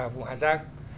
vùng hà giang